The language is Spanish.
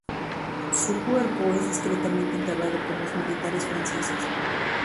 Su cuerpo es discretamente enterrado por los militares franceses.